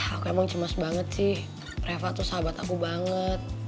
aku emang cemas banget sih reva tuh sahabat aku banget